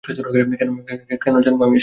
কেন জানবো আমি এসব?